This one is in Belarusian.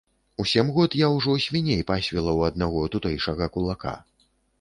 У сем год я ўжо свіней пасвіла ў аднаго тутэйшага кулака.